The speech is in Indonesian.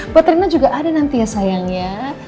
buat rina juga ada nanti ya sayang ya